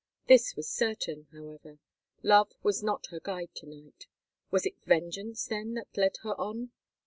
This was certain, however—love was not her guide to night. Was it vengeance then that led her on?